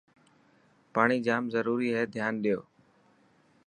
پاڻي جام ضروري هي ڌيان ڏيو.